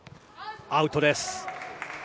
アウトです。